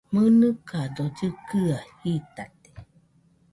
¿Mɨnɨkado llɨkɨaɨ jitate?